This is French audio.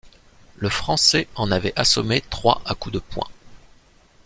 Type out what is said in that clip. Le Français en avait assommé trois à coup de poing...